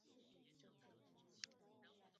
回家啦，我要关门了